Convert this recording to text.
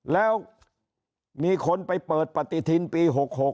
แล้วมีคนไปเปิดปฏิทินปี๖๖